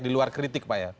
diluar kritik pak ya